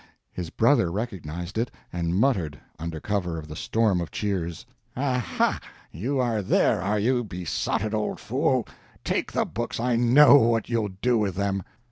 His brother recognized it, and muttered, under cover of the storm of cheers "Aha, you are there, are you, besotted old fool? Take the books, I know what you'll do with them!"